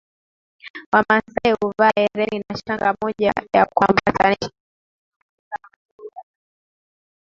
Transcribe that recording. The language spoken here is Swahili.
wamasai huvaa hereni na shanga moja ya kuambatanisha kimtindo katika matobo ya masikio